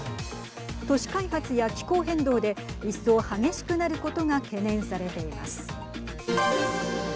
都市開発や気候変動で一層激しくなることが懸念されています。